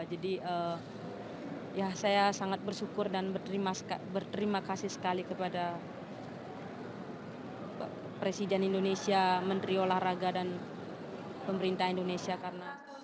jadi saya sangat bersyukur dan berterima kasih sekali kepada presiden indonesia menteri olahraga dan pemerintah indonesia